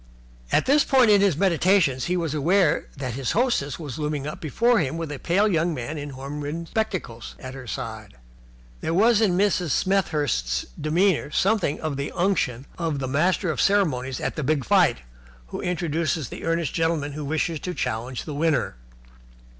At this point in his meditations he was aware that his hostess was looming up before him with a pale young man in horn rimmed spectacles at her side. There was in Mrs. Smethurst's demeanour something of the unction of the master of ceremonies at the big fight who introduces the earnest gentleman who wishes to challenge the winner.